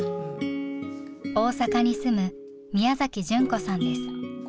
大阪に住む宮純子さんです。